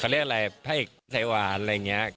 เขาเรียกอะไรพระเอกสายหวานอะไรอย่างนี้